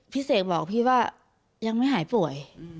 เสกบอกพี่ว่ายังไม่หายป่วย